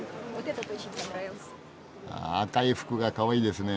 あ赤い服がかわいいですね。